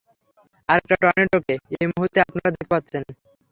আরেকটা টর্নেডোকে এই মুহূর্তে আপনারা দেখতে পাচ্ছেন!